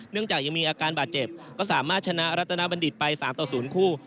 เนื่องจากยังมีอาการบาดเจ็บก็สามารถชนะรัฐนาบัณฑิตไปสามต่อศูนย์คู่